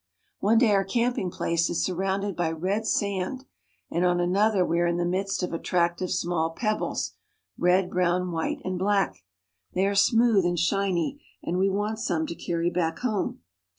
One day our camping place is surrounded by red sand and on another we are in the midst of a tract of small pebbles — red, brown, white, and black. They are smooth and shiny, and we want some to carry back home.